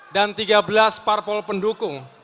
dan tiga belas parpol pendukung